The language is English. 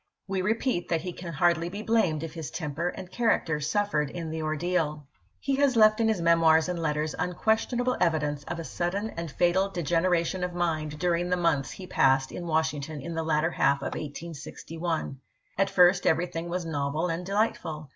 We repeat that he can hardly be blamed if his temper and character suf fered in the ordeal. He has left in his memoirs and letters unques tionable evidence of a sudden and fatal degenera tion of mind during the months he passed in Washington in the latter half of 1861.^ At first everything was novel and delightful.